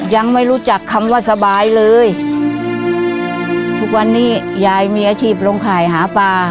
ยังไม่รู้จักคำว่าสบายเลยทุกวันนี้ยายมีอาชีพลงข่ายหาปลา